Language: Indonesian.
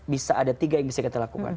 bisa ada tiga yang bisa kita lakukan